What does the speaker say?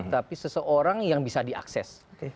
tapi seseorang yang bisa diakses